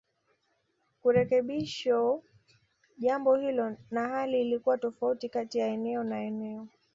Kurekebisho jambo hilo na hali ilikuwa tofauti kati ya eneo na eneo